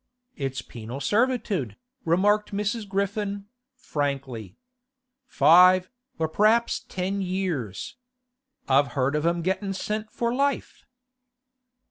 'It's penal servitude,' remarked Mrs. Griffin, frankly. 'Five, or p'r'aps ten years. I've heard of 'em gettin' sent for life.